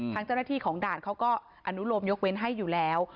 ทางเจ้าหน้าที่ของด่านเขาก็อนุโลมยกเว้นให้อยู่แล้ว